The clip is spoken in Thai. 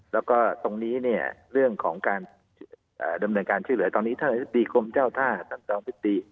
และเรื่องของการดำเนินการชื่อเหลือตอนนี้ธนาศิษฐีคมเจ้าท่าศัลย์ธนาศิษฐี